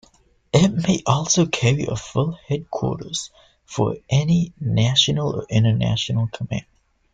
It may also carry a full headquarters for any national or international command.